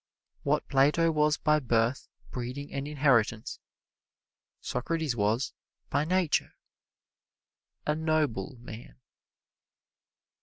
What Plato was by birth, breeding and inheritance, Socrates was by nature a noble man.